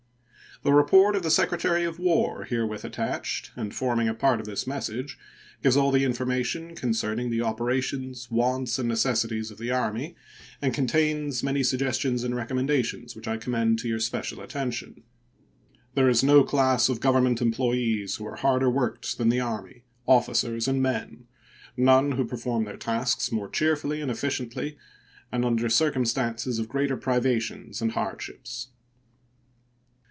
The report of the Secretary of War herewith attached, and forming a part of this message, gives all the information concerning the operations, wants, and necessities of the Army, and contains many suggestions and recommendations which I commend to your special attention. There is no class of Government employees who are harder worked than the Army officers and men; none who perform their tasks more cheerfully and efficiently and under circumstances of greater privations and hardships.